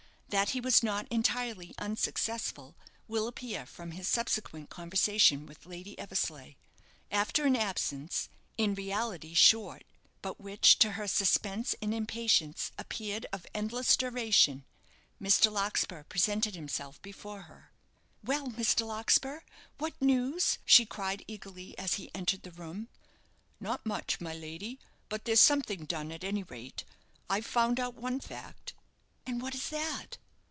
That he was not entirely unsuccessful will appear from his subsequent conversation with Lady Eversleigh. After an absence, in reality short, but which, to her suspense and impatience appeared of endless duration, Mr. Larkspur presented himself before her. "Well, Mr. Larkspur, what news?" she cried, eagerly, as he entered the room. "Not much, my lady; but there's something done, at any rate. I've found out one fact." "And what is that?"